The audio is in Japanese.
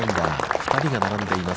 ２人が並んでいます。